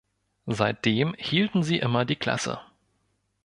Seitdem hielten sie immer die Klasse.